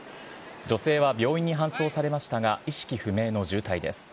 女性は病院に搬送されましたが意識不明の重体です。